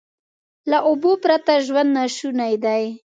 له اوبو پرته ژوند ناشونی دی.